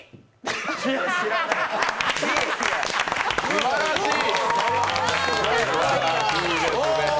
すばらしい。